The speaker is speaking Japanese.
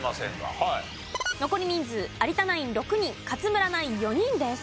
残り人数有田ナイン６人勝村ナイン４人です。